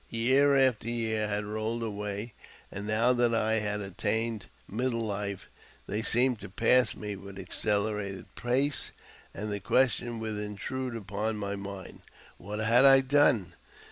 Year after year had rolled away, and now that I had attained middle life, they seemed to pass me with accelerated pace, and the question would intrude upon my mind, What had I done